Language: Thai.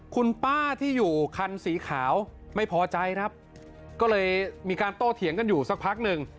คุณป้าที่อยู่คันสีขาวไม่พอใจครับก็เลยมีการโต้เถียงกันอยู่สักพักหนึ่ง